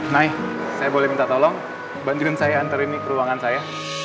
nai saya boleh minta tolong bantuin saya antar ini ke ruangan saya